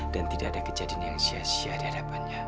dan tidak ada kejadian yang sia sia di hadapannya